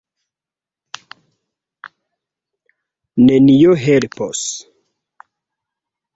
Nenio helpos.